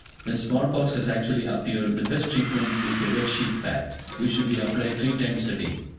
When small pox has actually appeared, the best treatment is the "Wet Sheet Pack", which should be applied three times a day.